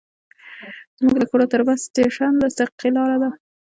زموږ له کوره تر بس سټېشن لس دقیقې لاره ده.